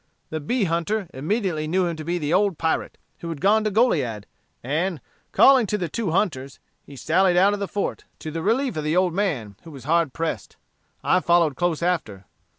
The bee hunter immediately knew him to be the old pirate, who had gone to Goliad, and, calling to the two hunters, he sallied out of the fort to the relief of the old man, who was hard pressed. I followed close after.